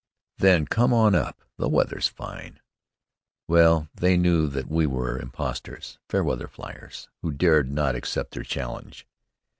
"Then come on up; the weather's fine!" Well they knew that we were impostors, fair weather fliers, who dared not accept their challenge.